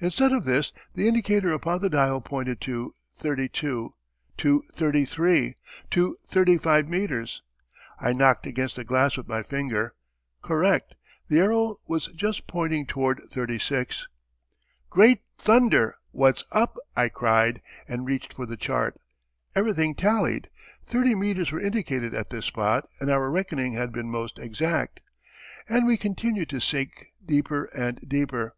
Instead of this the indicator upon the dial pointed to 32 to 33 to 35 meters.... I knocked against the glass with my finger correct the arrow was just pointing toward thirty six. "Great thunder! what's up?" I cried, and reached for the chart. Everything tallied. Thirty meters were indicated at this spot and our reckoning had been most exact. And we continued to sink deeper and deeper.